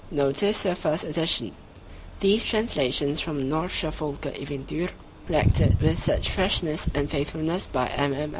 Notice to the First Edition These translations from the Norske Folkeeventyr, collected with such freshness and faithfulness by MM.